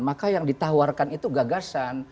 maka yang ditawarkan itu gagasan